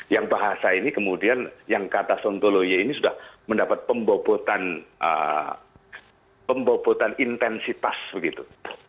yang bahasa ini kemudian yang kata sontoloyo ini sudah mendapat pembobotan intensitas begitu